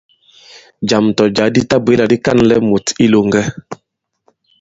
Jàm tɔ̀ jǎ di tabwě là di ka᷇nlɛ mùt i ilòŋgɛ.